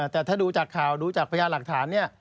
แต่ถ้าดูจากข่าวดูจากพยาบิทิศรักฐาน